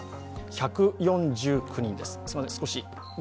１４９人です。